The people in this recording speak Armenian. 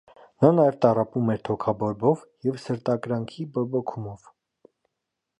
Նա նաև տառապում էր թոքաբորբով և սրտակրանքի բորբոքումով։